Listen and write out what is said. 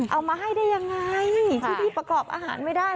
เอามาให้ได้ยังไงที่นี่ประกอบอาหารไม่ได้